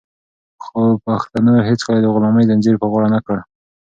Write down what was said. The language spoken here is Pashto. خو پښتنو هيڅکله د غلامۍ زنځير په غاړه نه کړ.